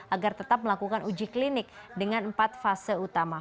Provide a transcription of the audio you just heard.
agar tetap melakukan uji klinik dengan empat fase utama